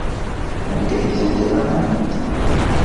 Anda ay ten-nɣant?